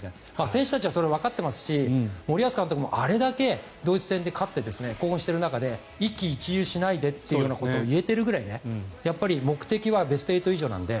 選手たちはそれ、わかっていますし森保監督もあれだけドイツ戦で勝って興奮している中で一喜一憂しないでというようなことを言えているぐらい目的はベスト８以上なので。